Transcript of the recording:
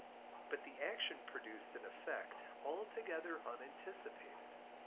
But the action produced an effect altogether unanticipated.